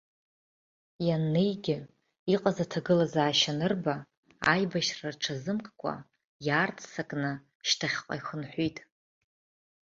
Ианнеигьы, иҟаз аҭагылазаашьа анырба, аибашьра рҽазымккәа, иаарццакны шьҭахьҟа ихынҳәит.